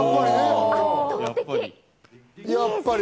やっぱり。